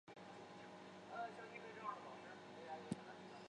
小萼菜豆树是紫葳科菜豆树属的植物。